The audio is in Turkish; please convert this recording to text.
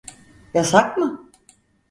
Yasak mı?